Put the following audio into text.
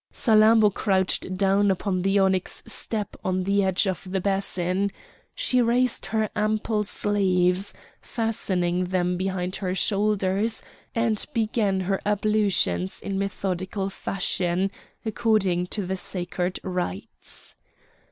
Salammbô crouched down upon the onyx step on the edge of the basin; she raised her ample sleeves, fastening them behind her shoulders, and began her ablutions in methodical fashion, according to the sacred rites.